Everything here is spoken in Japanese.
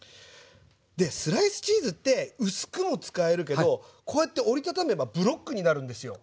スライスチーズって薄くも使えるけどこうやって折り畳めばブロックになるんですよ。